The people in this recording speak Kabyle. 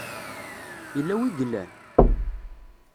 Yella wi i yellan?.